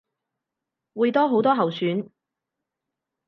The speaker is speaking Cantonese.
會多好多候選